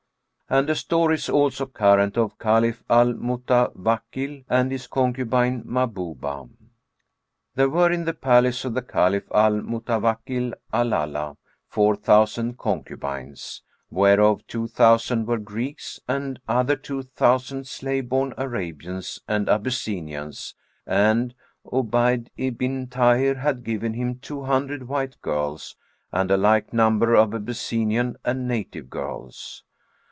And a story is also current of CALIPH AL MUTAWAKKIL AND HIS CONCUBINE MAHBUBAH. There were in the palace of the Caliph al Mutawakkil ala'llah[FN#426] four thousand concubines, whereof two thousand were Greeks and other two thousand slave born Arabians[FN#427] and Abyssinians; and 'Obayd ibn Tбhir[FN#428] had given him two hundred white girls and a like number of Abyssinian and native girls.